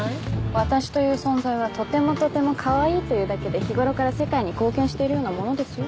私という存在はとてもとてもかわいいというだけで日頃から世界に貢献しているようなものですよ？